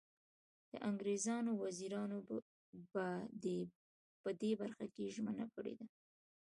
د انګریزانو وزیرانو په دې برخه کې ژمنه کړې ده.